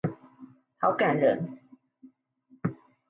好感人